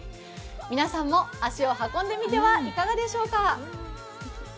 皆さんも足を運んでみてはいかがでしょうか？